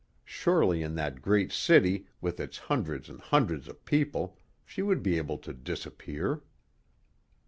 Surely in that great city, with its hundreds and hundreds of people, she would be able to disappear.